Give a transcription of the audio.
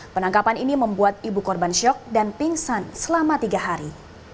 penangkapan ini membuat ibu korban syok dan pingsan selama tiga hari